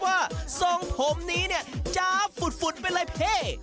ว่าทรงผมนี้เนี่ยจะฝุดฝุ่นเป็นรายเพศ